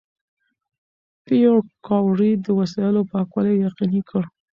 پېیر کوري د وسایلو پاکوالی یقیني کړ.